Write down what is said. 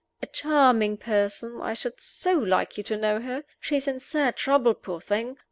A charming person I should so like you to know her. She is in sad trouble, poor thing.